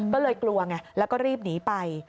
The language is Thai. ก็เลยกลัวไงแล้วก็รีบหนีไป